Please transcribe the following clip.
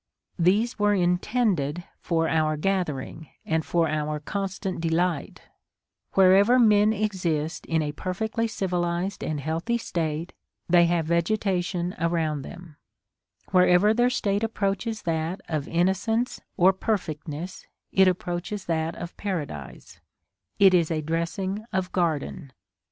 These were intended for our gathering, and for our constant delight: wherever men exist in a perfectly civilised and healthy state, they have vegetation around them; wherever their state approaches that of innocence or perfectness, it approaches that of Paradise, it is a dressing of garden.